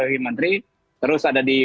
wakil menteri terus ada di